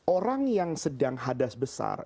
orang yang sedang hadas besar